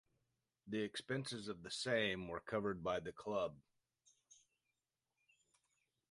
The expenses of the same were covered by the club.